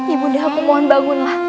ibu deh aku mohon bangunlah